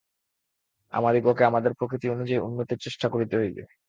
আমাদিগকে আমাদের প্রকৃতি অনুযায়ী উন্নতির চেষ্টা করিতে হইবে।